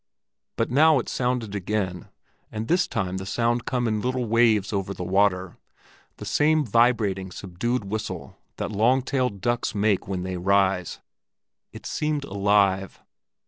But now it sounded again, and this time the sound come in little waves over the water, the same vibrating, subdued whistle that long tailed ducks make when they rise; it seemed alive.